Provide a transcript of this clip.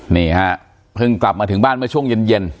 นี่ฮะเพิ่งกลับมาถึงบ้านเมื่อช่วงเย็น